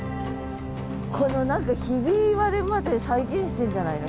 この何かひび割れまで再現してんじゃないの？